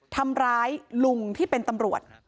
ทำร้ายลุงที่เป็นตำรวจ